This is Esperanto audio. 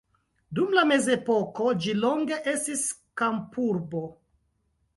Dum la mezepoko ĝi longe estis kampurbo.